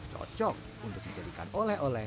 cocok untuk dijadikan oleh oleh